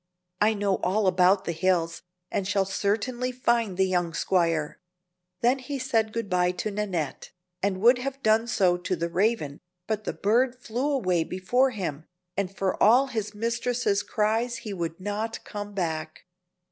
I know all about the hills, and shall certainly find the young squire." Then he said good by to Nannette, and would have done so to the Raven, but the bird flew away before him, and for all his mistress's cries he would not come back.